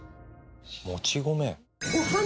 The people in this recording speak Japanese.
もち米？